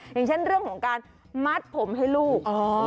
อย่างเช่นเรื่องของการมัดผมให้ลูก